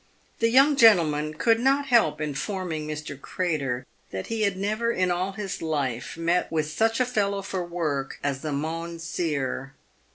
The young gentleman could not help informing Mr. Crater that he had never in all his life met with such a fellow for work as the Moun seer.